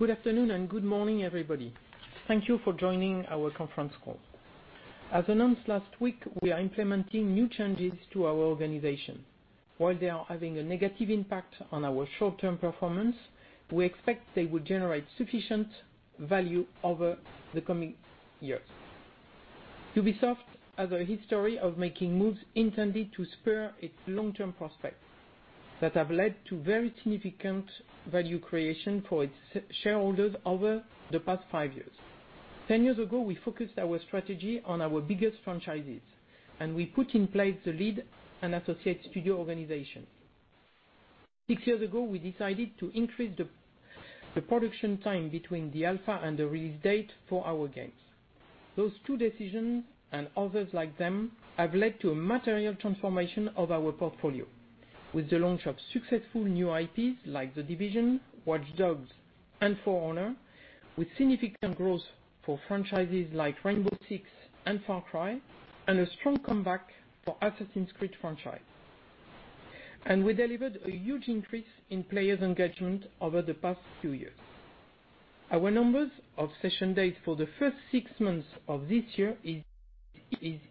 Good afternoon and good morning, everybody. Thank you for joining our conference call. As announced last week, we are implementing new changes to our organization. While they are having a negative impact on our short-term performance, we expect they will generate sufficient value over the coming years. Ubisoft has a history of making moves intended to spur its long-term prospects that have led to very significant value creation for its shareholders over the past five years. Ten years ago, we focused our strategy on our biggest franchises, and we put in place the lead and associate studio organization. Six years ago, we decided to increase the production time between the alpha and the release date for our games. Those two decisions, and others like them, have led to a material transformation of our portfolio with the launch of successful new IPs like "The Division," "Watch Dogs," and "For Honor," with significant growth for franchises like "Rainbow Six" and "Far Cry," and a strong comeback for "Assassin's Creed" franchise. We delivered a huge increase in players' engagement over the past few years. Our numbers of session days for the first six months of this year is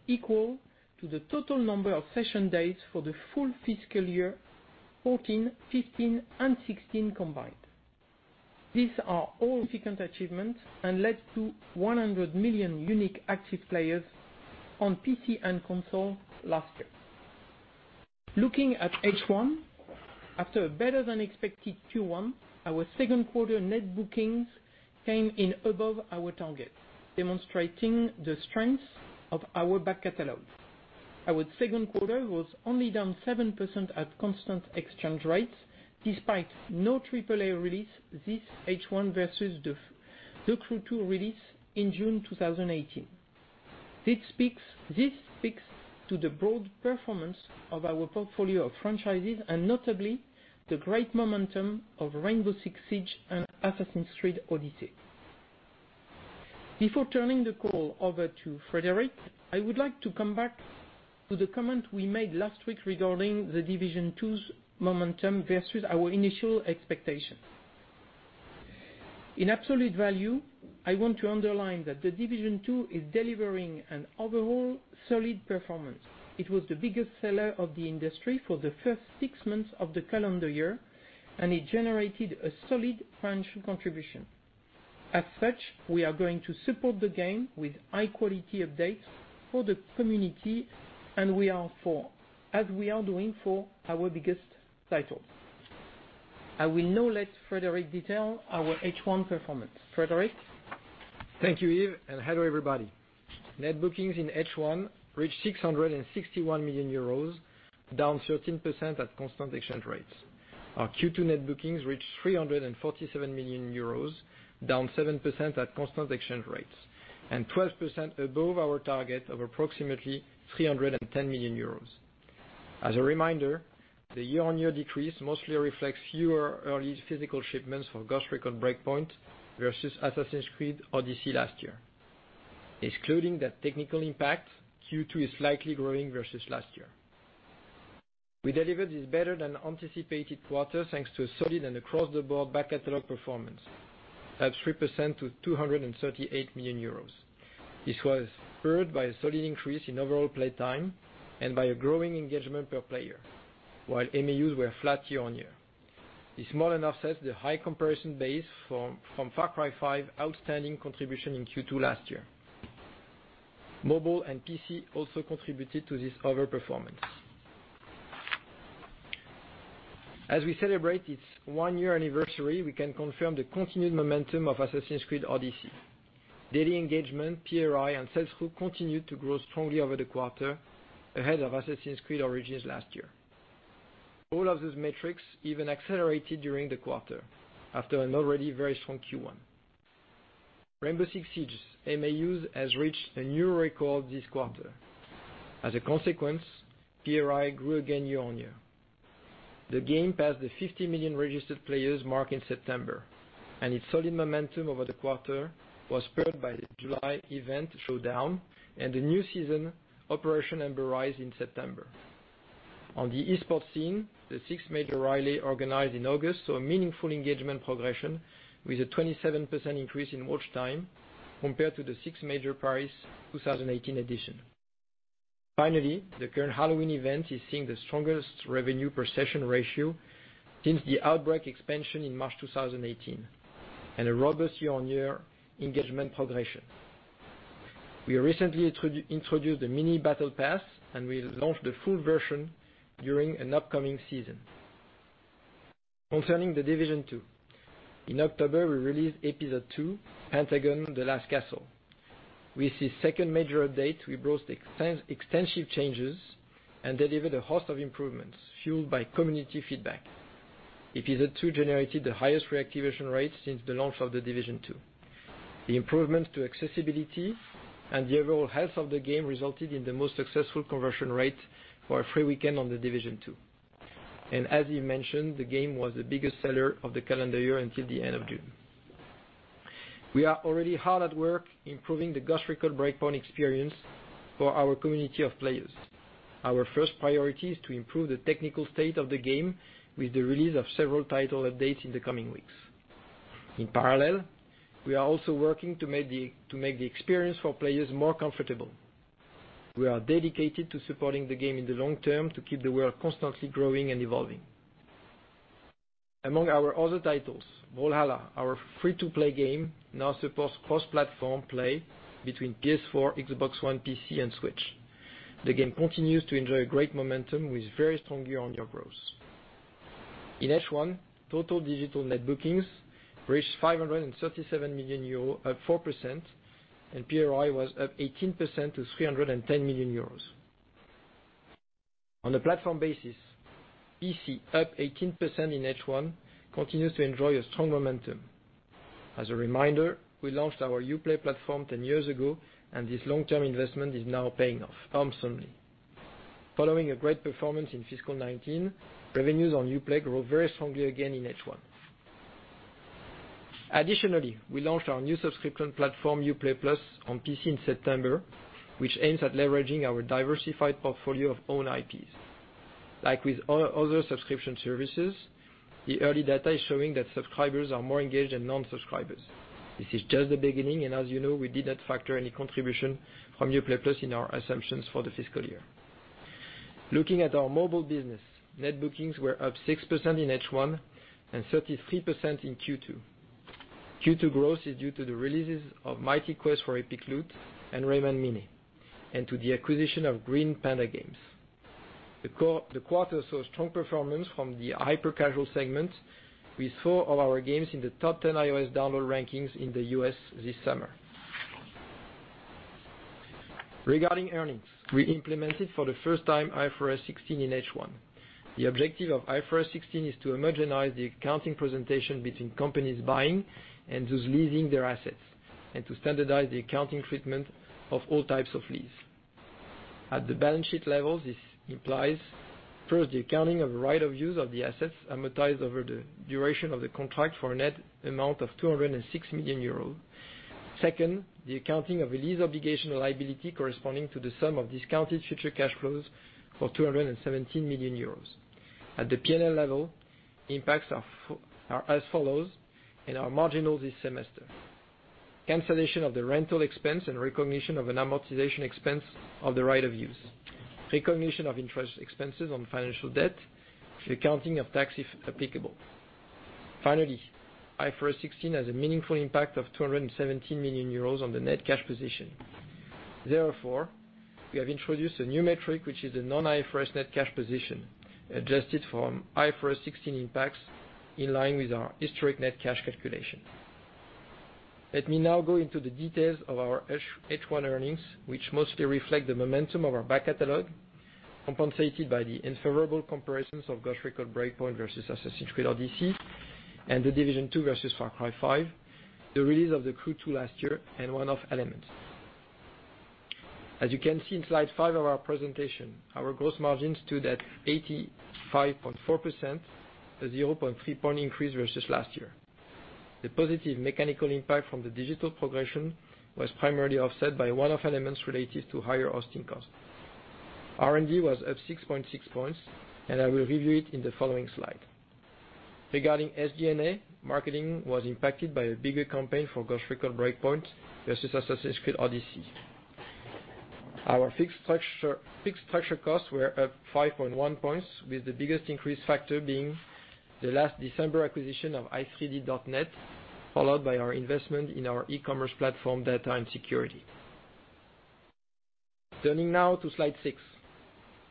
equal to the total number of session days for the full fiscal year 2014, 2015, and 2016 combined. These are all significant achievements and led to 100 million unique active players on PC and console last year. Looking at H1, after a better-than-expected Q1, our second quarter net bookings came in above our target, demonstrating the strength of our back catalog. Our second quarter was only down 7% at constant exchange rates, despite no AAA release this H1 versus The Crew 2 release in June 2018. This speaks to the broad performance of our portfolio of franchises and notably, the great momentum of Rainbow Six Siege and Assassin's Creed Odyssey. Before turning the call over to Frédérick, I would like to come back to the comment we made last week regarding The Division 2's momentum versus our initial expectations. In absolute value, I want to underline that The Division 2 is delivering an overall solid performance. It was the biggest seller of the industry for the first six months of the calendar year, and it generated a solid financial contribution. As such, we are going to support the game with high-quality updates for the community as we are doing for our biggest titles. I will now let Frédérick detail our H1 performance. Frédérick? Thank you, Yves, and hello, everybody. Net bookings in H1 reached 661 million euros, down 13% at constant exchange rates. Our Q2 net bookings reached 347 million euros, down 7% at constant exchange rates, and 12% above our target of approximately 310 million euros. As a reminder, the year-over-year decrease mostly reflects fewer early physical shipments for "Tom Clancy's Ghost Recon Breakpoint" versus "Assassin's Creed Odyssey" last year. Excluding that technical impact, Q2 is slightly growing versus last year. We delivered this better-than-anticipated quarter thanks to a solid and across-the-board back catalog performance, at 3% to 238 million euros. This was spurred by a solid increase in overall play time and by a growing engagement per player, while MAUs were flat year-over-year. This more than offsets the high comparison base from "Far Cry 5" outstanding contribution in Q2 last year. Mobile and PC also contributed to this overperformance. As we celebrate its one-year anniversary, we can confirm the continued momentum of Assassin's Creed Odyssey. Daily engagement, PRI, and sell-through continued to grow strongly over the quarter, ahead of Assassin's Creed Origins last year. All of these metrics even accelerated during the quarter after an already very strong Q1. Rainbow Six Siege's MAUs has reached a new record this quarter. A consequence, PRI grew again year-over-year. The game passed the 50 million registered players mark in September, and its solid momentum over the quarter was spurred by the July event, Showdown, and the new season, Operation Ember Rise, in September. On the esports scene, the Six Major Raleigh organized in August, saw a meaningful engagement progression with a 27% increase in watch time compared to the Six Major Paris 2018 edition. Finally, the current Halloween event is seeing the strongest revenue per session ratio since the Outbreak expansion in March 2018, and a robust year-on-year engagement progression. We recently introduced a mini-battle pass, We'll launch the full version during an upcoming season. Concerning The Division 2, in October, we released Episode 2, Pentagon: The Last Castle. With this second major update, we brought extensive changes and delivered a host of improvements fueled by community feedback. Episode 2 generated the highest reactivation rate since the launch of The Division 2. The improvements to accessibility and the overall health of the game resulted in the most successful conversion rate for a free weekend on The Division 2. As you mentioned, the game was the biggest seller of the calendar year until the end of June. We are already hard at work improving the Ghost Recon Breakpoint experience for our community of players. Our first priority is to improve the technical state of the game with the release of several title updates in the coming weeks. In parallel, we are also working to make the experience for players more comfortable. We are dedicated to supporting the game in the long term to keep the world constantly growing and evolving. Among our other titles, Brawlhalla, our free-to-play game, now supports cross-platform play between PS4, Xbox One, PC, and Switch. The game continues to enjoy great momentum with very strong year-on-year growth. In H1, total digital net bookings reached 537 million euros, up 4%, and PRI was up 18% to 310 million euros. On a platform basis, PC up 18% in H1, continues to enjoy a strong momentum. As a reminder, we launched our Uplay platform 10 years ago, and this long-term investment is now paying off handsomely. Following a great performance in fiscal 2019, revenues on Uplay grew very strongly again in H1. Additionally, we launched our new subscription platform, Uplay+ on PC in September, which aims at leveraging our diversified portfolio of own IPs. Like with other subscription services, the early data is showing that subscribers are more engaged than non-subscribers. This is just the beginning, and as you know, we did not factor any contribution from Uplay+ in our assumptions for the fiscal year. Looking at our mobile business, net bookings were up 6% in H1 and 33% in Q2. Q2 growth is due to the releases of Mighty Quest for Epic Loot and Rayman Mini, and to the acquisition of Green Panda Games. The quarter saw strong performance from the hyper-casual segment, with four of our games in the top 10 iOS download rankings in the U.S. this summer. Regarding earnings, we implemented for the first time IFRS 16 in H1. The objective of IFRS 16 is to homogenize the accounting presentation between companies buying and those leasing their assets, and to standardize the accounting treatment of all types of lease. At the balance sheet level, this implies, first, the accounting of right of use of the assets amortized over the duration of the contract for a net amount of 206 million euros. Second, the accounting of a lease obligation liability corresponding to the sum of discounted future cash flows for 217 million euros. At the P&L level, impacts are as follows and are marginal this semester. Cancellation of the rental expense and recognition of an amortization expense of the right of use. Recognition of interest expenses on financial debt, the accounting of tax, if applicable. Finally, IFRS 16 has a meaningful impact of 217 million euros on the net cash position. Therefore, we have introduced a new metric, which is a non-IFRS net cash position, adjusted from IFRS 16 impacts in line with our historic net cash calculation. Let me now go into the details of our H1 earnings, which mostly reflect the momentum of our back catalog, compensated by the unfavorable comparisons of Ghost Recon Breakpoint versus Assassin's Creed Odyssey and The Division 2 versus Far Cry 5, the release of The Crew 2 last year, and one-off elements. As you can see in slide five of our presentation, our gross margins stood at 85.4%, a 0.3-point increase versus last year. The positive mechanical impact from the digital progression was primarily offset by one-off elements related to higher hosting costs. R&D was up 6.6 points, and I will review it in the following slide. Regarding SG&A, marketing was impacted by a bigger campaign for Ghost Recon Breakpoint versus Assassin's Creed Odyssey. Our fixed structure costs were up 5.1 points, with the biggest increase factor being the last December acquisition of i3D.net, followed by our investment in our e-commerce platform, data and security. Turning now to slide six.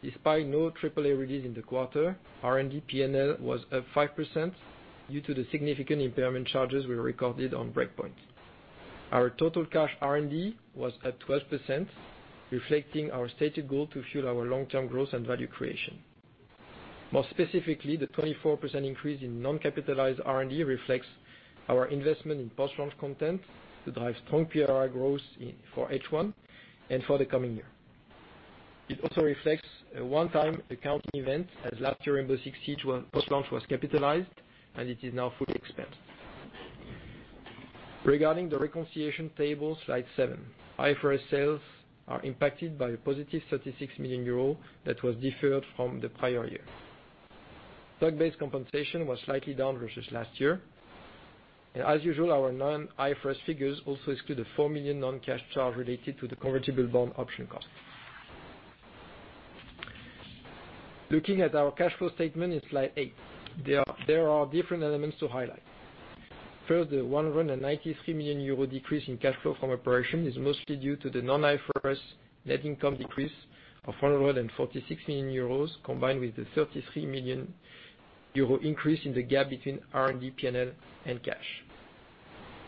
Despite no AAA release in the quarter, R&D P&L was up 5% due to the significant impairment charges we recorded on Breakpoint. Our total cash R&D was up 12%, reflecting our stated goal to fuel our long-term growth and value creation. More specifically, the 24% increase in non-capitalized R&D reflects our investment in post-launch content to drive strong PRI growth for H1 and for the coming year. It also reflects a one-time accounting event as last year Rainbow Six Siege post-launch was capitalized, and it is now fully expensed. Regarding the reconciliation table, slide seven. IFRS sales are impacted by a positive 36 million euro that was deferred from the prior year. Stock-based compensation was slightly down versus last year. As usual, our non-IFRS figures also exclude a 4 million non-cash charge related to the convertible bond option cost. Looking at our cash flow statement in slide eight, there are different elements to highlight. First, the 193 million euro decrease in cash flow from operation is mostly due to the non-IFRS net income decrease of 146 million euros, combined with the 33 million euro increase in the gap between R&D P&L and cash.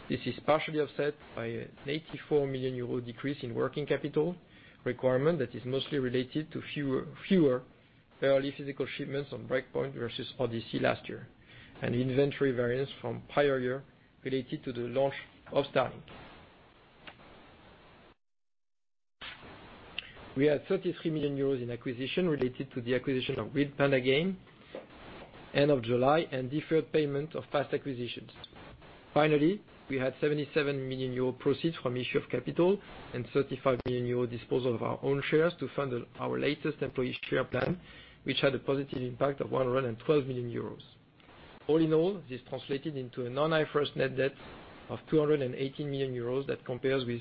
This is partially offset by an 84 million euro decrease in working capital requirement that is mostly related to fewer early physical shipments on Breakpoint versus Odyssey last year, and inventory variance from prior year related to the launch of Starlink. We had 33 million euros in acquisition related to the acquisition of Green Panda Games end of July, and deferred payment of past acquisitions. Finally, we had 77 million euro proceeds from issue of capital and 35 million euro disposal of our own shares to fund our latest employee share plan, which had a positive impact of 112 million euros. All in all, this translated into a non-IFRS net debt of 218 million euros that compares with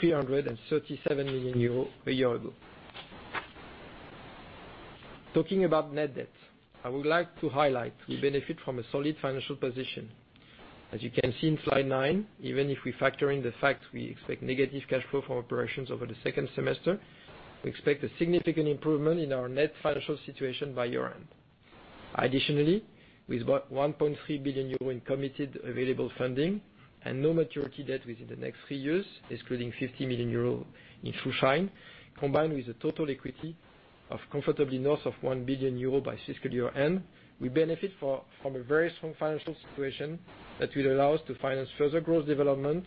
337 million euros a year ago. Talking about net debt, I would like to highlight we benefit from a solid financial position. As you can see in slide nine, even if we factor in the fact we expect negative cash flow from operations over the second semester, we expect a significant improvement in our net financial situation by year-end. Additionally, with 1.3 billion euro in committed available funding and no maturity debt within the next three years, excluding 50 million euro in [True Shine], combined with a total equity of comfortably north of 1 billion euro by fiscal year-end, we benefit from a very strong financial situation that will allow us to finance further growth development,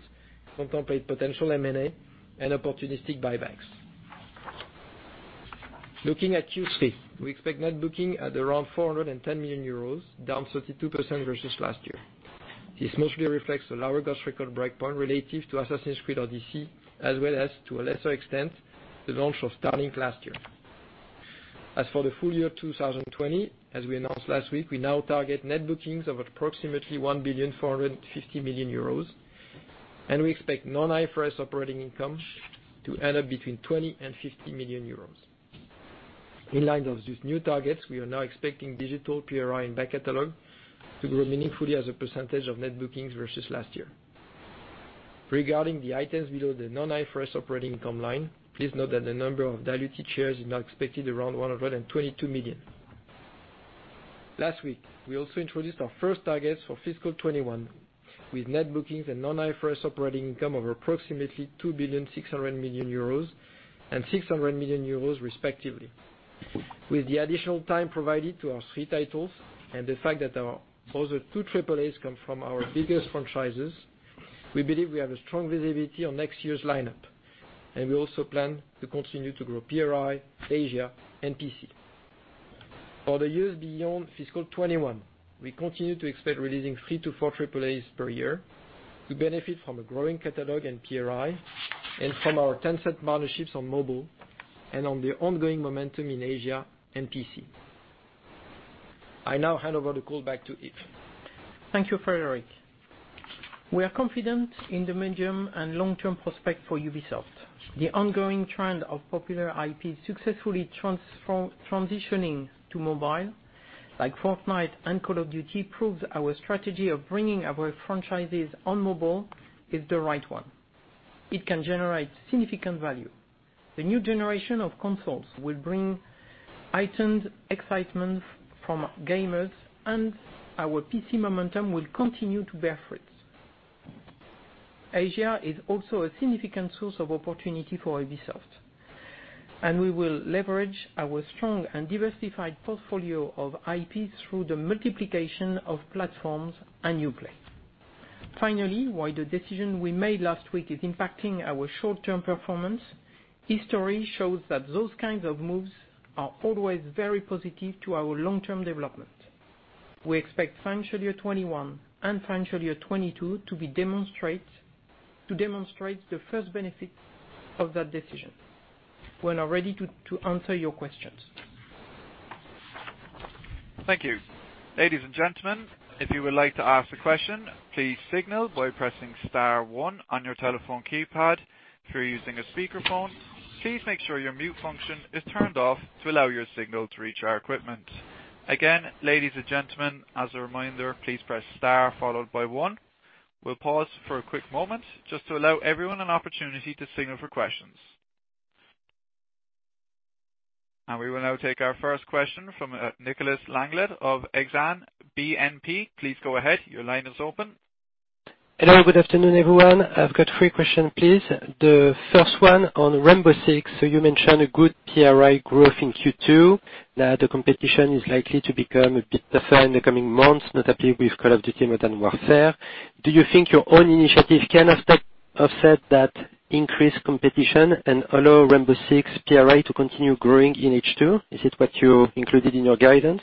contemplate potential M&A, and opportunistic buybacks. Looking at Q3, we expect net booking at around 410 million euros, down 32% versus last year. This mostly reflects a lower Ghost Recon Breakpoint relative to Assassin's Creed Odyssey, as well as, to a lesser extent, the launch of Starlink last year. As for the full year 2020, as we announced last week, we now target net bookings of approximately 1 billion, 450 million euros, and we expect non-IFRS operating income to end up between 20 million and 50 million euros. In line of these new targets, we are now expecting digital PRI and back catalog to grow meaningfully as a % of net bookings versus last year. Regarding the items below the non-IFRS operating income line, please note that the number of diluted shares is now expected around 122 million. Last week, we also introduced our first targets for fiscal 2021 with net bookings and non-IFRS operating income of approximately 2 billion, 600 million euros, and 600 million euros respectively. With the additional time provided to our three titles, and the fact that our other two AAAs come from our biggest franchises, we believe we have a strong visibility on next year's lineup, and we also plan to continue to grow PRI, Asia, and PC. For the years beyond fiscal 2021, we continue to expect releasing three to four AAAs per year to benefit from a growing catalog and PRI, and from our Tencent partnerships on mobile, and on the ongoing momentum in Asia and PC. I now hand over the call back to Yves. Thank you, Frédérick. We are confident in the medium and long-term prospect for Ubisoft. The ongoing trend of popular IP successfully transitioning to mobile like "Fortnite" and "Call of Duty" proves our strategy of bringing our franchises on mobile is the right one. It can generate significant value. The new generation of consoles will bring heightened excitement from gamers, and our PC momentum will continue to bear fruit. Asia is also a significant source of opportunity for Ubisoft, and we will leverage our strong and diversified portfolio of IP through the multiplication of platforms and new play. Finally, while the decision we made last week is impacting our short-term performance, history shows that those kinds of moves are always very positive to our long-term development. We expect financial year 2021 and financial year 2022 to demonstrate the first benefits of that decision. We are now ready to answer your questions. Thank you. Ladies and gentlemen, if you would like to ask a question, please signal by pressing star one on your telephone keypad. If you're using a speakerphone, please make sure your mute function is turned off to allow your signal to reach our equipment. Again, ladies and gentlemen, as a reminder, please press star followed by one. We will pause for a quick moment just to allow everyone an opportunity to signal for questions. We will now take our first question from Nicolas Langlet of Exane BNP. Please go ahead. Your line is open. Hello. Good afternoon, everyone. I've got three question, please. The first one on "Rainbow Six." You mentioned a good PRI growth in Q2, that the competition is likely to become a bit tougher in the coming months, notably with "Call of Duty: Modern Warfare." Do you think your own initiative can offset that increased competition and allow "Rainbow Six" PRI to continue growing in H2? Is it what you included in your guidance?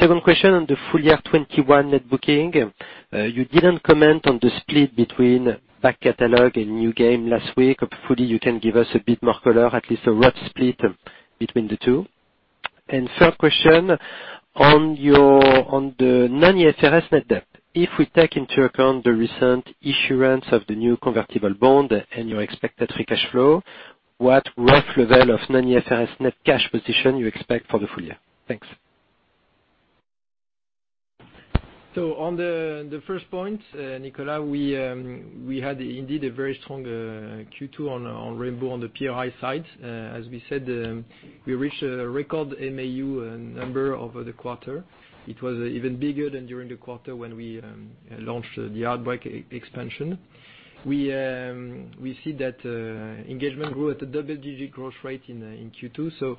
Second question on the full year 2021 net booking. You didn't comment on the split between back catalog and new game last week. Hopefully, you can give us a bit more color, at least a rough split between the two. Third question on the non-IFRS net debt. If we take into account the recent issuance of the new convertible bond and your expected free cash flow, what rough level of non-IFRS net cash position you expect for the full year? Thanks. On the first point, Nicolas, we had indeed a very strong Q2 on Rainbow Six on the PRI side. As we said, we reached a record MAU number over the quarter. It was even bigger than during the quarter when we launched the Outbreak expansion. We see that engagement grew at a double-digit growth rate in Q2.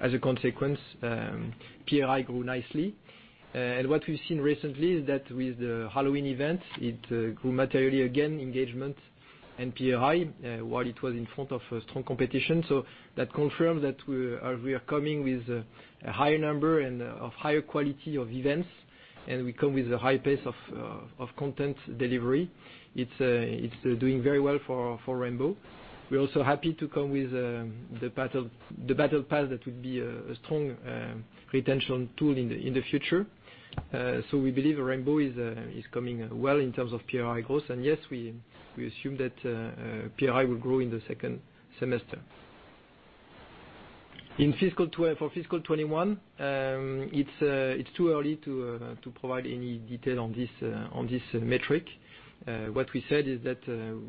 As a consequence, PRI grew nicely. What we've seen recently is that with the Halloween event, it grew materially again, engagement, while it was in front of strong competition. That confirms that we are coming with a high number and of higher quality of events, and we come with a high pace of content delivery. It's doing very well for Rainbow. We're also happy to come with the battle pass that will be a strong retention tool in the future. We believe Rainbow is coming well in terms of PRI growth, and yes, we assume that PRI will grow in the second semester. For fiscal 2021, it's too early to provide any detail on this metric. What we said is that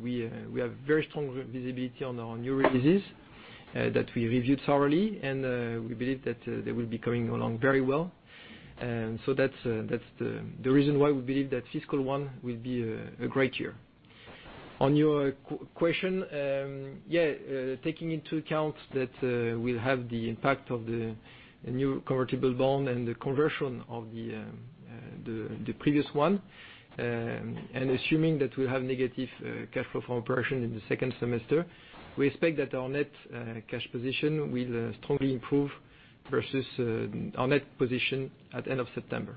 we have very strong visibility on our new releases that we reviewed thoroughly, and we believe that they will be coming along very well. That's the reason why we believe that fiscal 2021 will be a great year. On your question, taking into account that we'll have the impact of the new convertible bond and the conversion of the previous one, and assuming that we have negative cash flow from operation in the second semester, we expect that our net cash position will strongly improve versus our net position at end of September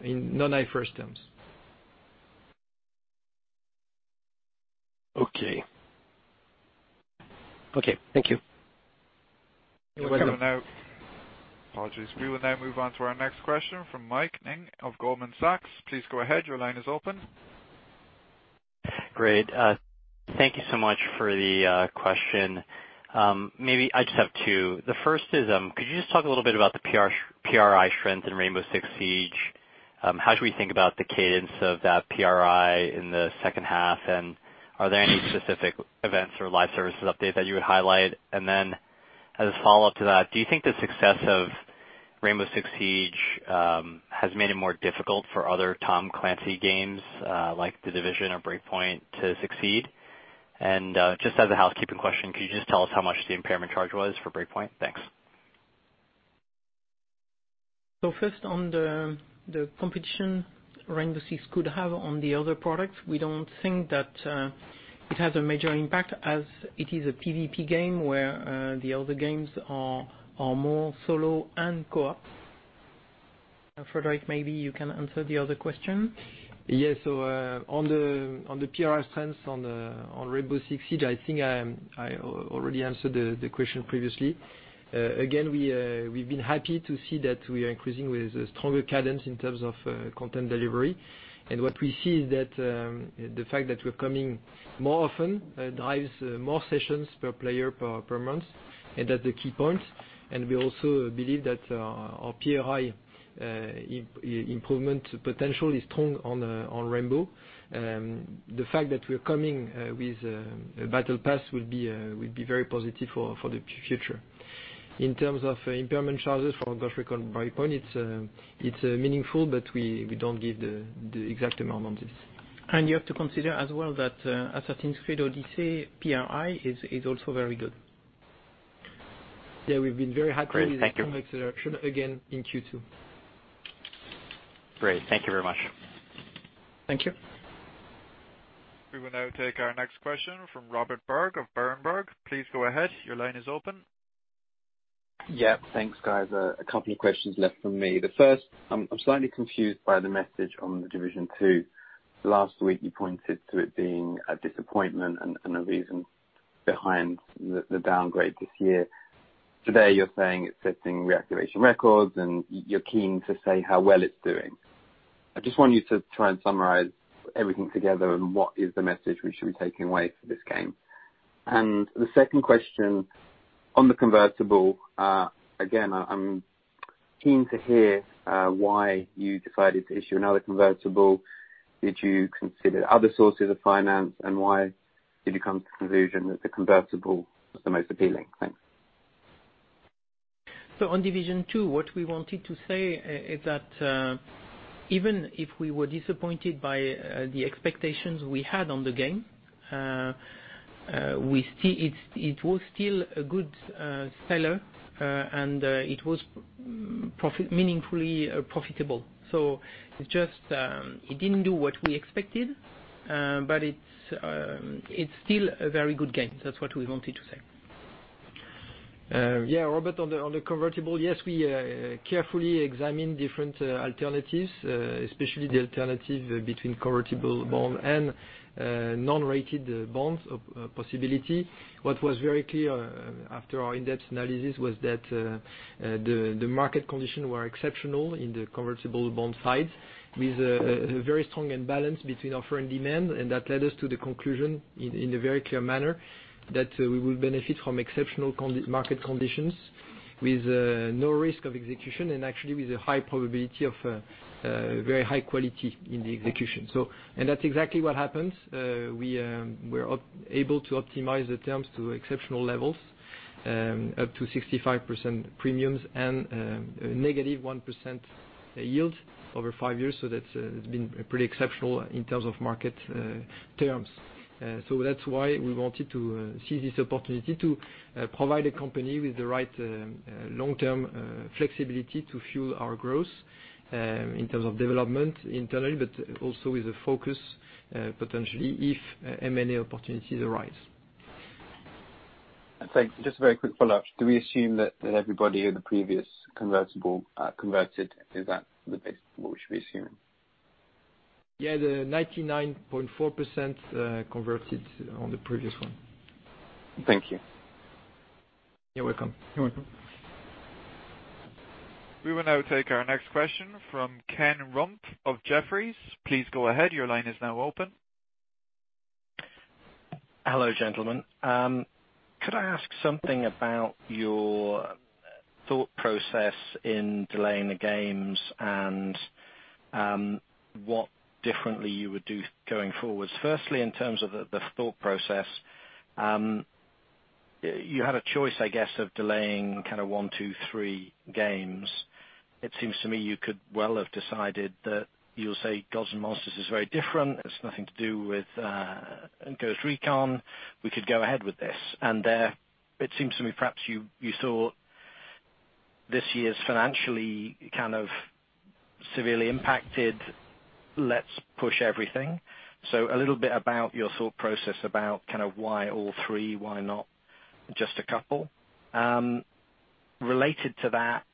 in non-IFRS terms. Okay. Okay. Thank you. You're welcome. Apologies. We will now move on to our next question from Michael Ng of Goldman Sachs. Please go ahead. Your line is open. Great. Thank you so much for the question. Maybe I just have two. The first is, could you just talk a little bit about the PRI strength in Rainbow Six Siege? How should we think about the cadence of that PRI in the second half, and are there any specific events or live services update that you would highlight? Then as a follow-up to that, do you think the success of Rainbow Six Siege has made it more difficult for other Tom Clancy games, like The Division or Breakpoint to succeed? Just as a housekeeping question, could you just tell us how much the impairment charge was for Breakpoint? Thanks. First, on the competition Rainbow Six could have on the other products. We don't think that it has a major impact as it is a PVP game where the other games are more solo and co-ops. Frédérick, maybe you can answer the other question. Yes. On the PRI strengths on Rainbow Six Siege, I think I already answered the question previously. Again, we've been happy to see that we are increasing with a stronger cadence in terms of content delivery. What we see is that, the fact that we're coming more often drives more sessions per player per month, and that's the key point. We also believe that our PRI improvement potential is strong on Rainbow. The fact that we're coming with a battle pass will be very positive for the future. In terms of impairment charges for Ghost Recon Breakpoint, it's meaningful, but we don't give the exact amount on this. You have to consider as well that Assassin's Creed Odyssey PRI is also very good. Yeah, we've been very happy- Great. Thank you. With the strong acceleration again in Q2. Great. Thank you very much. Thank you. We will now take our next question from Robert Berg of Berenberg. Please go ahead. Your line is open. Yeah. Thanks, guys. A couple of questions left from me. The first, I'm slightly confused by the message on The Division 2. Last week you pointed to it being a disappointment and a reason behind the downgrade this year. Today, you're saying it's setting reactivation records and you're keen to say how well it's doing. I just want you to try and summarize everything together and what is the message we should be taking away for this game. The second question on the convertible. Again, I'm keen to hear why you decided to issue another convertible. Did you consider other sources of finance, and why did you come to the conclusion that the convertible was the most appealing? Thanks. On The Division 2, what we wanted to say is that, even if we were disappointed by the expectations we had on the game, it was still a good seller, and it was meaningfully profitable. It didn't do what we expected, but it's still a very good game. That's what we wanted to say. Yeah, Robert, on the convertible. Yes, we carefully examine different alternatives, especially the alternative between convertible bond and non-rated bonds possibility. What was very clear after our in-depth analysis was that the market conditions were exceptional in the convertible bond side with a very strong imbalance between our firm demand, and that led us to the conclusion in a very clear manner that we will benefit from exceptional market conditions with no risk of execution and actually with a high probability of very high quality in the execution. And that's exactly what happens. We're able to optimize the terms to exceptional levels, up to 65% premiums and a negative 1% yield over five years. That's been pretty exceptional in terms of market terms. That's why we wanted to seize this opportunity to provide a company with the right long-term flexibility to fuel our growth, in terms of development internally, but also with a focus, potentially, if M&A opportunities arise. Thanks. Just a very quick follow-up. Do we assume that everybody in the previous convertible converted? Is that the base for what we should be assuming? Yeah. The 99.4% converted on the previous one. Thank you. You're welcome. We will now take our next question from Ken Rumph of Jefferies. Please go ahead. Your line is now open. Hello, gentlemen. Could I ask something about your thought process in delaying the games, and what differently you would do going forwards? In terms of the thought process, you had a choice, I guess, of delaying one, two, three games. It seems to me you could well have decided that you'll say, "Gods & Monsters is very different. It's nothing to do with Ghost Recon. We could go ahead with this." There it seems to me perhaps you thought this year is financially kind of severely impacted, let's push everything. A little bit about your thought process about why all three, why not just a couple? Related to that,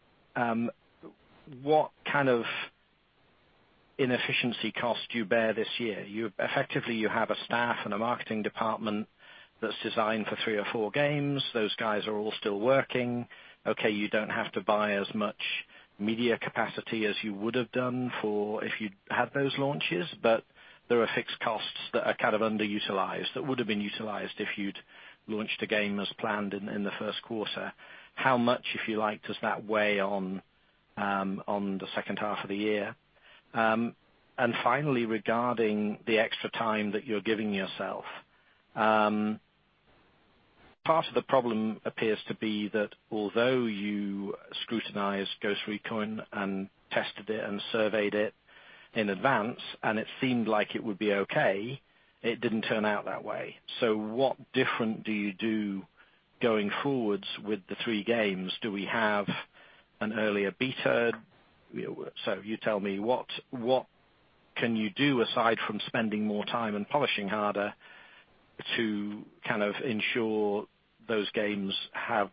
what kind of inefficiency cost do you bear this year? Effectively, you have a staff and a marketing department that's designed for three or four games. Those guys are all still working. Okay, you don't have to buy as much media capacity as you would have done if you'd had those launches, but there are fixed costs that are kind of underutilized, that would have been utilized if you'd launched a game as planned in the first quarter. How much, if you like, does that weigh on the second half of the year? Finally, regarding the extra time that you're giving yourself. Part of the problem appears to be that although you scrutinized Ghost Recon and tested it and surveyed it in advance, and it seemed like it would be okay, it didn't turn out that way. What different do you do going forwards with the three games? Do we have an earlier beta? You tell me, what can you do aside from spending more time and polishing harder to kind of ensure those games have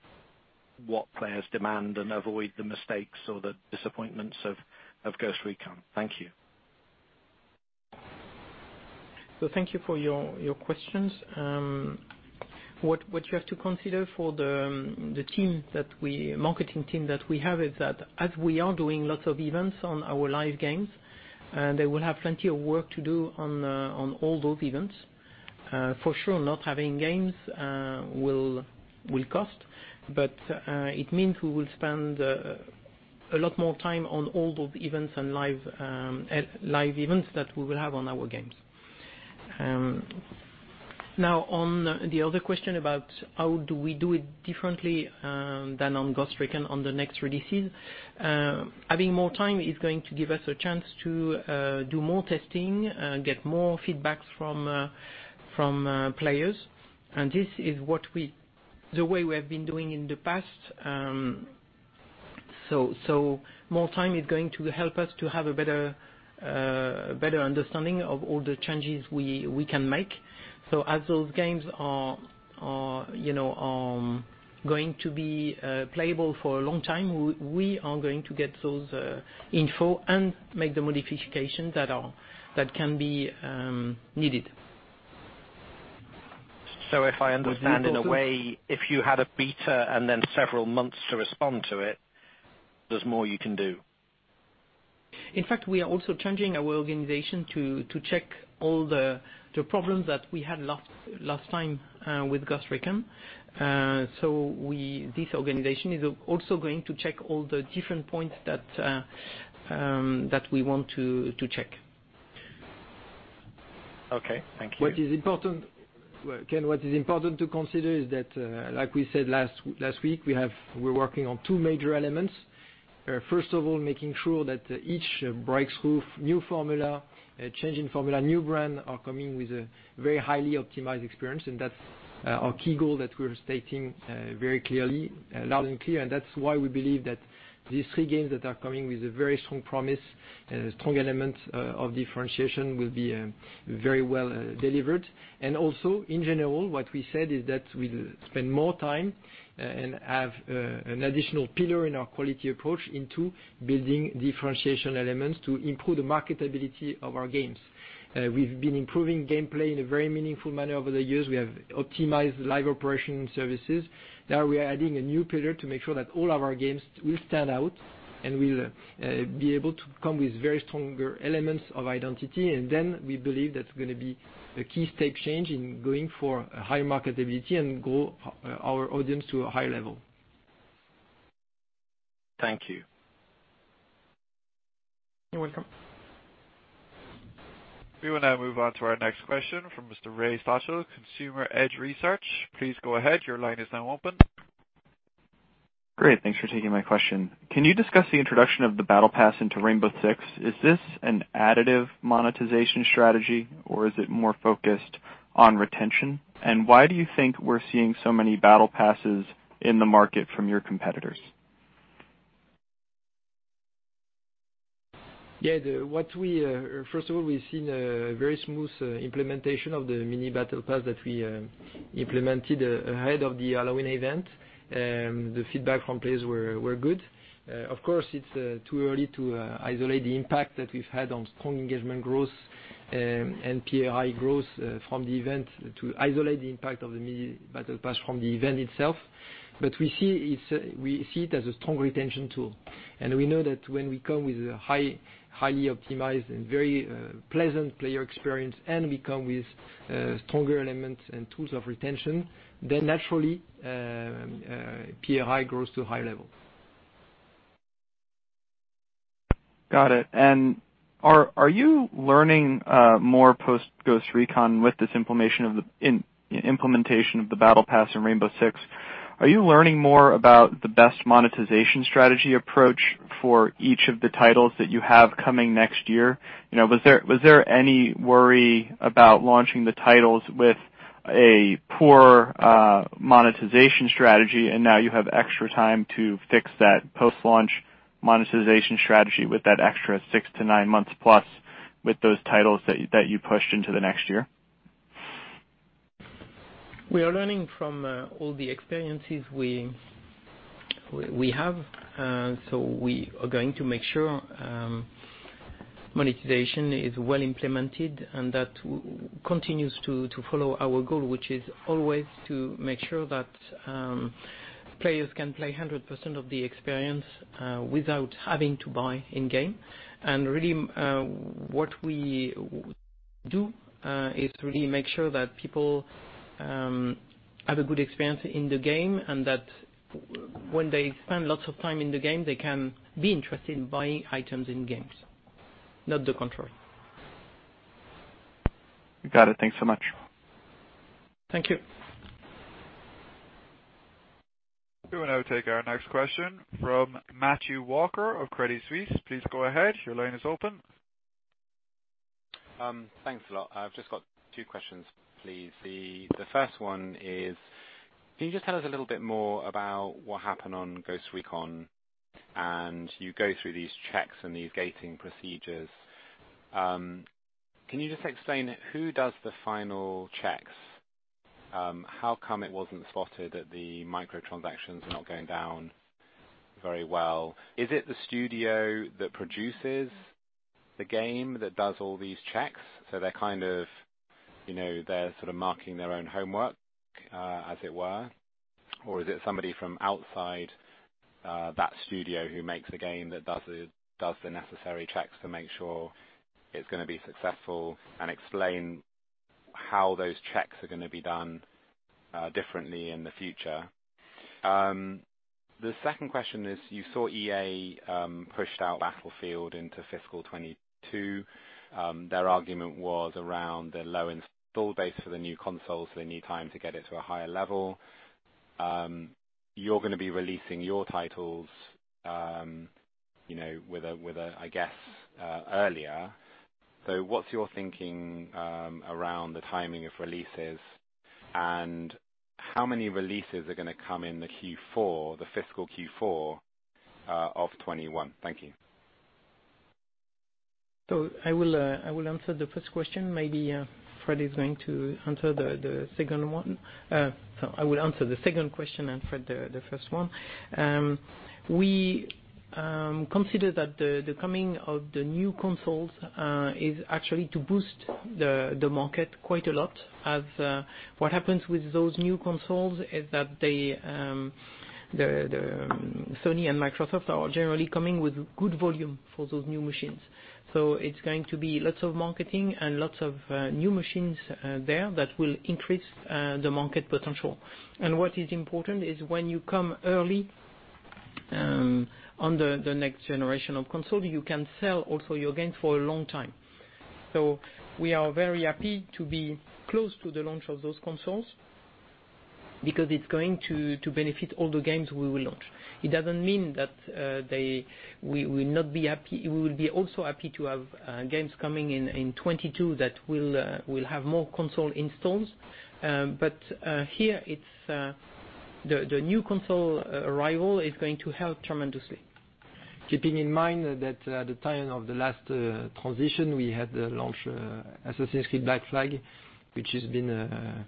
what players demand and avoid the mistakes or the disappointments of Ghost Recon? Thank you. Thank you for your questions. What you have to consider for the marketing team that we have is that as we are doing lots of events on our live games, they will have plenty of work to do on all those events. For sure, not having games will cost, but it means we will spend a lot more time on all those events and live events that we will have on our games. Now, on the other question about how do we do it differently than on Ghost Recon on the next releases. Having more time is going to give us a chance to do more testing, get more feedback from players. This is the way we have been doing in the past. More time is going to help us to have a better understanding of all the changes we can make. As those games are going to be playable for a long time, we are going to get those info and make the modifications that can be needed. So if I understand- What is important. In a way, if you had a beta and then several months to respond to it, there's more you can do. In fact, we are also changing our organization to check all the problems that we had last time with Ghost Recon. This organization is also going to check all the different points that we want to check. Okay. Thank you. Ken, what is important to consider is that, like we said last week, we're working on two major elements. First of all, making sure that each breakthrough, new formula, change in formula, new brand, are coming with a very highly optimized experience. That's our key goal that we're stating very loud and clear, and that's why we believe that these three games that are coming with a very strong promise and a strong element of differentiation will be very well delivered. Also, in general, what we said is that we'll spend more time and have an additional pillar in our quality approach into building differentiation elements to improve the marketability of our games. We've been improving gameplay in a very meaningful manner over the years. We have optimized live operation services. We are adding a new pillar to make sure that all of our games will stand out and will be able to come with very stronger elements of identity. We believe that's going to be a key step change in going for a higher marketability and grow our audience to a higher level. Thank you. You're welcome. We will now move on to our next question from Mr. Ray Stata, Consumer Edge Research. Please go ahead. Your line is now open. Great. Thanks for taking my question. Can you discuss the introduction of the battle pass into Rainbow Six? Is this an additive monetization strategy, or is it more focused on retention? Why do you think we're seeing so many battle passes in the market from your competitors? First of all, we've seen a very smooth implementation of the mini battle pass that we implemented ahead of the Halloween event. The feedback from players were good. Of course, it's too early to isolate the impact that we've had on strong engagement growth and PRI growth from the event to isolate the impact of the mini battle pass from the event itself. We see it as a strong retention tool. We know that when we come with a highly optimized and very pleasant player experience, and we come with stronger elements and tools of retention, then naturally, PRI grows to a high level. Got it. Are you learning more post Ghost Recon with this implementation of the battle pass in Rainbow Six? Are you learning more about the best monetization strategy approach for each of the titles that you have coming next year? Was there any worry about launching the titles with a poor monetization strategy, and now you have extra time to fix that post-launch monetization strategy with that extra six to nine months plus with those titles that you pushed into the next year? We are learning from all the experiences we have. We are going to make sure monetization is well implemented and that continues to follow our goal, which is always to make sure that players can play 100% of the experience without having to buy in-game. Really, what we do is really make sure that people have a good experience in the game, and that when they spend lots of time in the game, they can be interested in buying items in games, not the contrary. Got it. Thanks so much. Thank you. We will now take our next question from Matthew Walker of Credit Suisse. Please go ahead. Your line is open. Thanks a lot. I've just got two questions, please. First one is, can you just tell us a little bit more about what happened on Ghost Recon? You go through these checks and these gating procedures. Can you just explain who does the final checks? How come it wasn't spotted that the micro-transactions were not going down very well? Is it the studio that produces the game that does all these checks, so they're sort of marking their own homework, as it were? Is it somebody from outside that studio who makes the game that does the necessary checks to make sure it's going to be successful, and explain how those checks are going to be done differently in the future. Second question is, you saw EA pushed out Battlefield into fiscal 2022. Their argument was around the low install base for the new consoles. They need time to get it to a higher level. You're going to be releasing your titles, I guess, earlier. What's your thinking around the timing of releases, and how many releases are going to come in the fiscal Q4 of 2021? Thank you. I will answer the first question. Maybe Frederic is going to answer the second one. Sorry. I will answer the second question and Frederic, the first one. We consider that the coming of the new consoles is actually to boost the market quite a lot, as what happens with those new consoles is that Sony and Microsoft are generally coming with good volume for those new machines. It's going to be lots of marketing and lots of new machines there that will increase the market potential. What is important is when you come early on the next generation of console, you can sell also your game for a long time. We are very happy to be close to the launch of those consoles because it's going to benefit all the games we will launch. It doesn't mean that we will not be happy. We will be also happy to have games coming in 2022 that will have more console installs. Here, the new console arrival is going to help tremendously. Keeping in mind that at the time of the last transition, we had launched Assassin's Creed Black Flag, which has been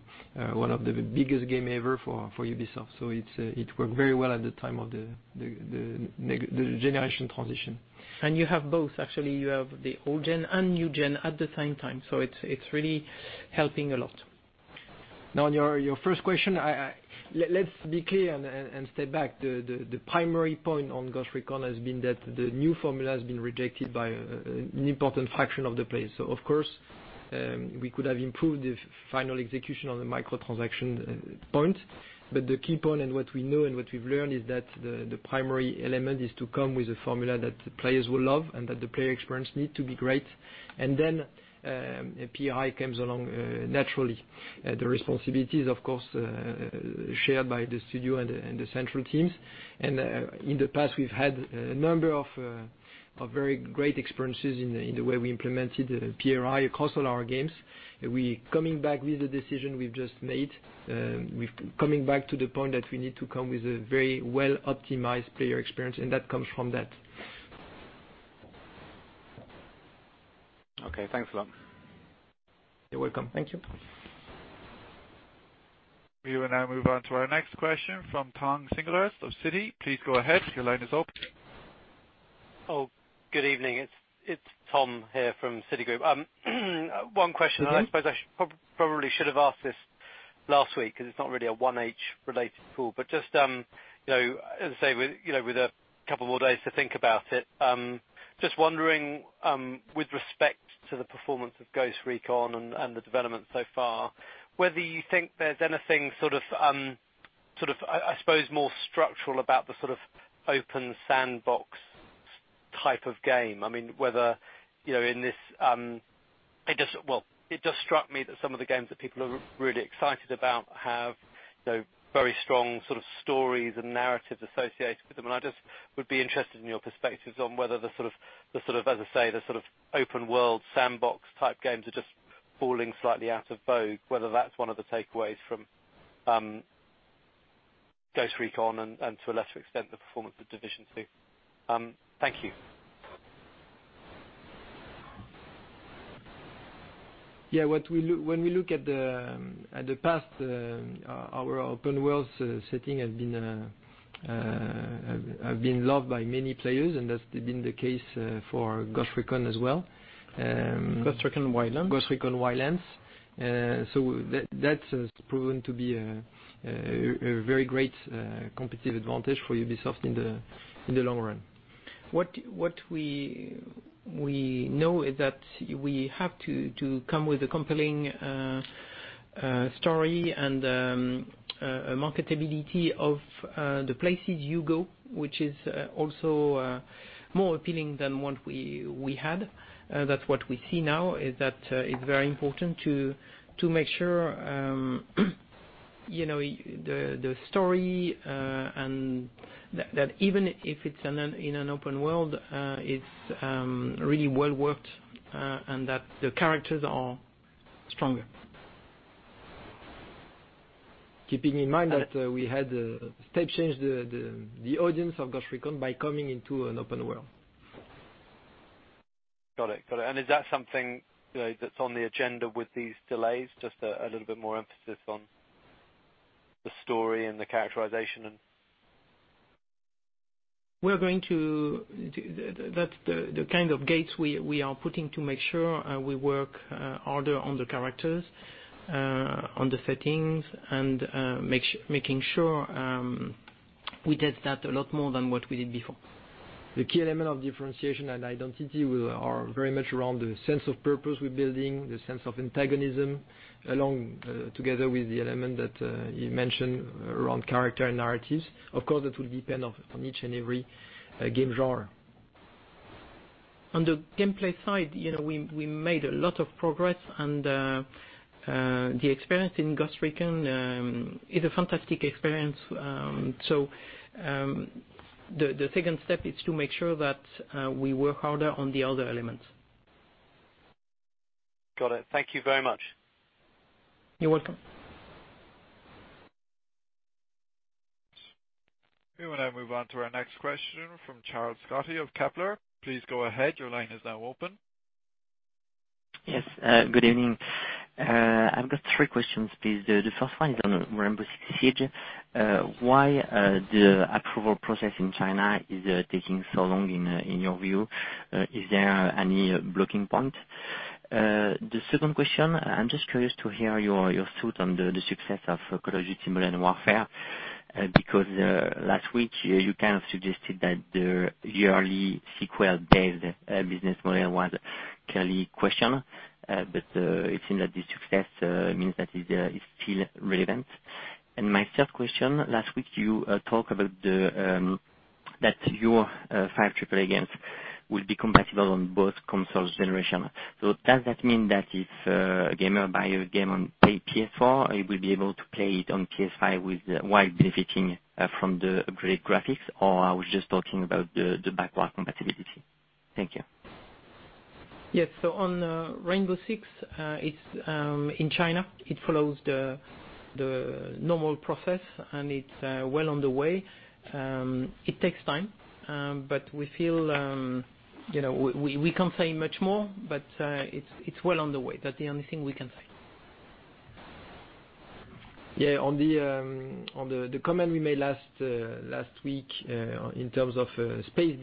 one of the biggest game ever for Ubisoft. It worked very well at the time of the generation transition. You have both, actually. You have the old-gen and new-gen at the same time. It's really helping a lot. On your first question, let's be clear and step back. The primary point on Ghost Recon has been that the new formula has been rejected by an important fraction of the players. Of course, we could have improved the final execution on the micro-transaction point. The key point and what we know and what we've learned is that the primary element is to come with a formula that the players will love and that the player experience needs to be great. PRI comes along naturally. The responsibility is, of course, shared by the studio and the central teams. In the past, we've had a number of very great experiences in the way we implemented PRI across all our games. We coming back with the decision we've just made. We've coming back to the point that we need to come with a very well-optimized player experience. That comes from that. Okay, thanks a lot. You're welcome. Thank you. We will now move on to our next question from Thomas Singlehurst of Citi. Please go ahead. Your line is open. Good evening. It's Tom here from Citigroup. One question that I suppose I should probably have asked this last week, because it's not really a 1H related call, but just, as I say, with a couple more days to think about it, just wondering, with respect to the performance of Ghost Recon and the development so far, whether you think there's anything, I suppose, more structural about the sort of open sandbox type of game. Well, it just struck me that some of the games that people are really excited about have very strong sort of stories and narratives associated with them. I just would be interested in your perspectives on whether the sort of, as I say, the sort of open world sandbox-type games are just falling slightly out of vogue, whether that's one of the takeaways from Ghost Recon and to a lesser extent, the performance of Division 2. Thank you. Yeah. When we look at the past, our open worlds setting have been loved by many players. That's been the case for Ghost Recon as well. Ghost Recon Wildlands. Ghost Recon Wildlands. That's proven to be a very great competitive advantage for Ubisoft in the long run. What we know is that we have to come with a compelling story and marketability of the places you go, which is also more appealing than what we had. That's what we see now, is that it's very important to make sure the story and that even if it's in an open world, it's really well-worked and that the characters are stronger. Keeping in mind that we had stage change the audience of Ghost Recon by coming into an open world. Got it. Is that something that's on the agenda with these delays? Just a little bit more emphasis on the story and the characterization and That's the kind of gates we are putting to make sure we work harder on the characters, on the settings, and making sure we test that a lot more than what we did before. The key element of differentiation and identity are very much around the sense of purpose we're building, the sense of antagonism, along together with the element that you mentioned around character and narratives. Of course, it will depend on each and every game genre. On the gameplay side, we made a lot of progress and the experience in Ghost Recon is a fantastic experience. The second step is to make sure that we work harder on the other elements. Got it. Thank you very much. You're welcome. We will now move on to our next question from Charles Scotti of Kepler. Please go ahead. Your line is now open. Yes, good evening. I've got three questions, please. The first one is on Rainbow Six Siege. Why the approval process in China is taking so long in your view? Is there any blocking point? The second question, I'm just curious to hear your thought on the success of Call of Duty: Modern Warfare. Last week you kind of suggested that the yearly sequel-based business model was clearly questioned. It seems that the success means that it's still relevant. My third question, last week you talked about that your five triple A games would be compatible on both consoles generation. Does that mean that if a gamer buy a game on PS4, he will be able to play it on PS5 while benefiting from the great graphics, or are we just talking about the backward compatibility? Thank you. Yes. On Rainbow Six, in China, it follows the normal process, and it's well on the way. It takes time, but we feel we can't say much more, but it's well on the way. That's the only thing we can say. Yeah. On the comment we made last week in terms of space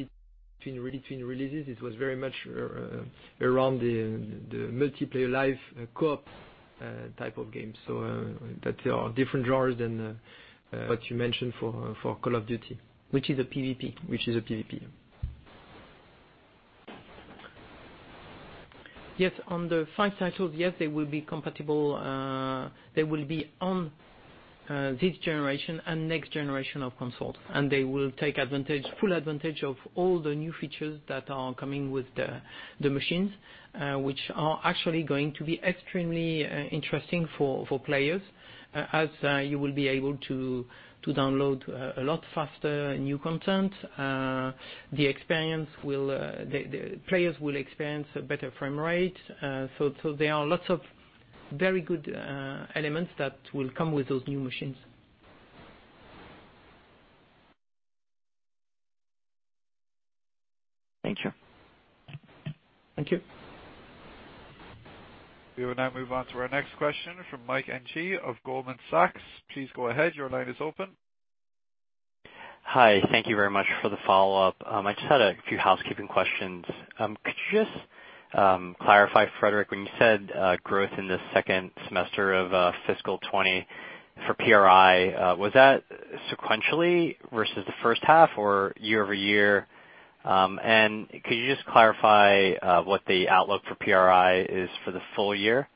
between releases, it was very much around the multiplayer live co-op type of game. That are different genres than what you mentioned for Call of Duty. Which is a PVP. Which is a PVP. Yes. On the five titles, yes, they will be compatible. They will be on this generation and next generation of consoles, and they will take full advantage of all the new features that are actually coming with the machines, which are going to be extremely interesting for players, as you will be able to download a lot faster new content. The players will experience a better frame rate. There are lots of very good elements that will come with those new machines. Thank you. Thank you. We will now move on to our next question from Michael Ng of Goldman Sachs. Please go ahead. Your line is open. Hi. Thank you very much for the follow-up. I just had a few housekeeping questions. Could you just clarify, Frédérick, when you said growth in the second semester of fiscal 2020 for PRI, was that sequentially versus the first half or year-over-year? Could you just clarify what the outlook for PRI is for the full year?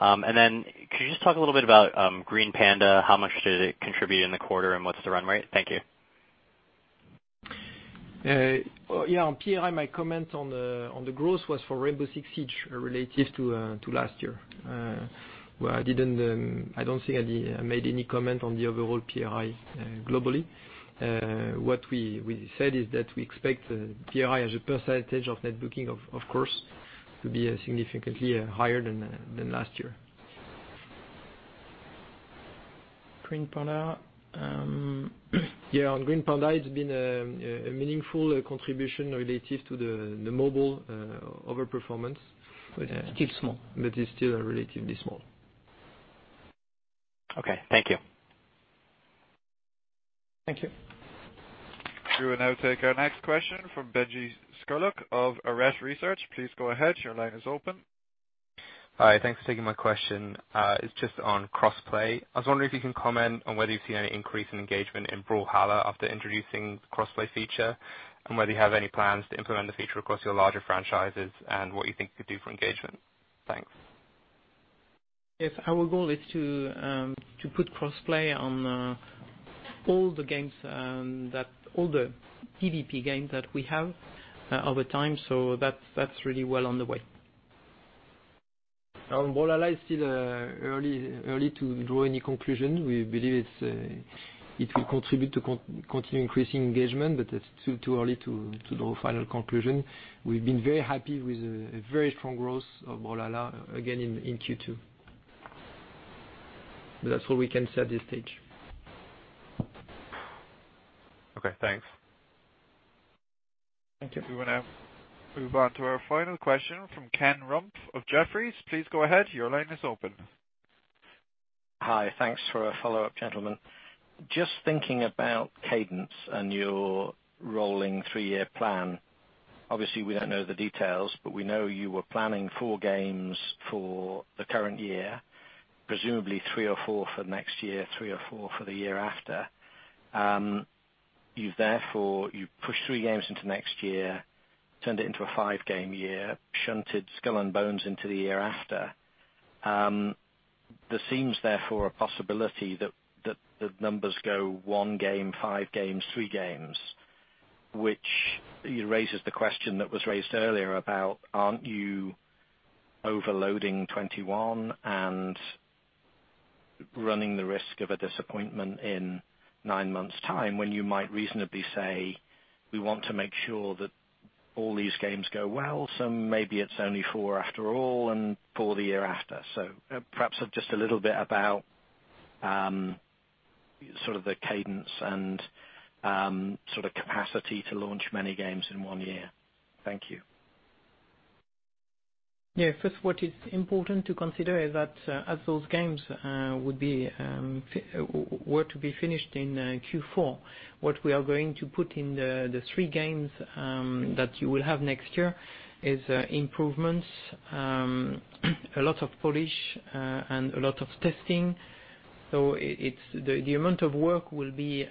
Could you just talk a little bit about Green Panda? How much did it contribute in the quarter, and what's the run rate? Thank you. Yeah. On PRI, my comment on the growth was for Rainbow Six Siege relative to last year, where I don't think I made any comment on the overall PRI globally. What we said is that we expect PRI as a % of net booking, of course, to be significantly higher than last year. Green Panda. Yeah. On Green Panda, it's been a meaningful contribution relative to the mobile overperformance. Still small. It's still relatively small. Okay. Thank you. Thank you. We will now take our next question from Benji Skulock of Arete Research. Please go ahead. Your line is open. Hi. Thanks for taking my question. It's just on cross-play. I was wondering if you can comment on whether you've seen any increase in engagement in Brawlhalla after introducing cross-play feature, and whether you have any plans to implement the feature across your larger franchises and what you think it could do for engagement. Thanks. Yes, our goal is to put cross-play on all the PVP games that we have over time. That's really well on the way. On Brawlhalla, it's still early to draw any conclusion. We believe it will contribute to continue increasing engagement, but it's too early to draw final conclusion. We've been very happy with a very strong growth of Brawlhalla again in Q2. That's all we can say at this stage. Okay, thanks. Thank you. We will now move on to our final question from Ken Rumph of Jefferies. Please go ahead. Your line is open. Hi. Thanks for a follow-up, gentlemen. Thinking about cadence and your rolling three-year plan. We don't know the details, but we know you were planning four games for the current year, presumably three or four for next year, three or four for the year after. You've therefore pushed three games into next year, turned it into a five-game year, shunted Skull and Bones into the year after. There seems therefore a possibility that the numbers go one game, five games, three games. Raises the question that was raised earlier about aren't you overloading 2021 and running the risk of a disappointment in nine months time when you might reasonably say we want to make sure that all these games go well, so maybe it's only four after all and four the year after? Perhaps just a little bit about sort of the cadence and sort of capacity to launch many games in one year. Thank you. Yeah. First, what is important to consider is that as those games were to be finished in Q4, what we are going to put in the three games that you will have next year is improvements, a lot of polish, and a lot of testing. The amount of work will be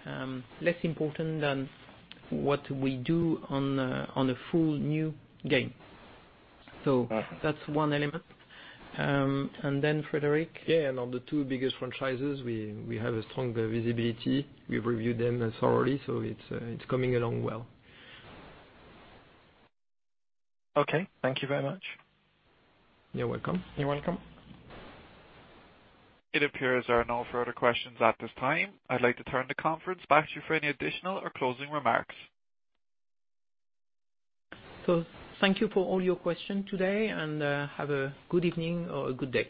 less important than what we do on a full new game. That's one element. Frédérick. Yeah. On the two biggest franchises, we have a strong visibility. We've reviewed them thoroughly, it's coming along well. Okay. Thank you very much. You're welcome. You're welcome. It appears there are no further questions at this time. I'd like to turn the conference back to you for any additional or closing remarks. Thank you for all your question today, and have a good evening or a good day.